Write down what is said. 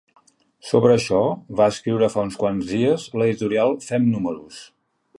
Sobre això, va escriure fa uns quants dies l’editorial Fem números.